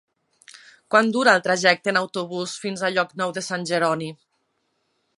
Quant dura el trajecte en autobús fins a Llocnou de Sant Jeroni?